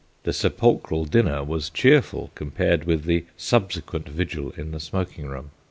The sepulchral dinner was cheerful compared with the subsequent vigil in the smoking room.